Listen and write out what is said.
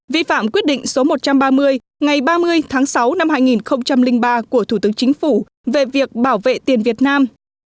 vi phạm quyết định số một trăm ba mươi ngày ba mươi tháng sáu năm hai nghìn ba của thủ tướng chính phủ về việc bảo vệ tiền việt nam